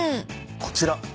こちら。